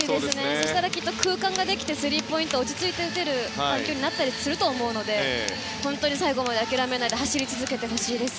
そしたら空間ができてスリーポイントが落ち着いて打てると思うので本当に最後まで諦めないで走り続けてほしいです。